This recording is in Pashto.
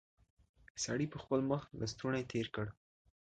سړي پر خپل مخ لستوڼی تېر کړ.